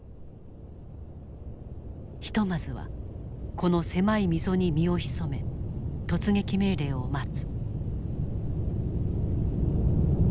ひとまずはこの狭い溝に身を潜め突撃命令を待つ。